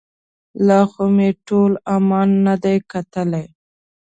لا خو مې ټول عمان نه دی کتلی.